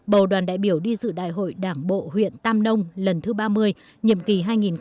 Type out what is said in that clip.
bầu đoàn đại biểu đi dự đại hội đảng bộ huyện tam nông lần thứ ba mươi nhiệm kỳ hai nghìn hai mươi hai nghìn hai mươi năm